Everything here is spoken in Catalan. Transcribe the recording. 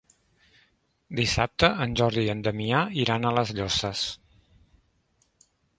Dissabte en Jordi i en Damià iran a les Llosses.